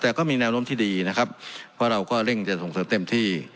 แต่ก็มีแนวโน้มที่ดีนะครับเพราะเราก็เร่งจะส่งเสริมเต็มที่